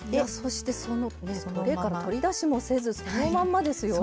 トレーから取り出しもせずそのまんまですよ。